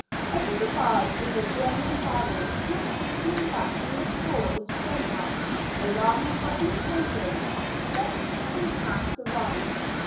I took a barge with a German baron who was hastening back from a tour into Denmark, alarmed by the intelligence of the French having passed the Rhine.